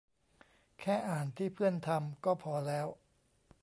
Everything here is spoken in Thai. แค่อ่านที่เพื่อนทำก็พอแล้ว